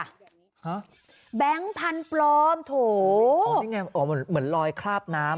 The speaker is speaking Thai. ฮะแบงค์พันธุ์ปลอมโถนี่ไงเหมือนรอยคราบน้ำ